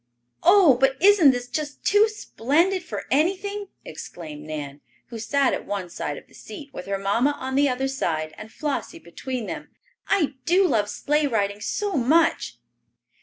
"Oh, but isn't this just too splendid for anything!" exclaimed Nan, who sat at one side of the seat, with her mamma on the other and Flossie between them. "I do love sleigh riding so much!"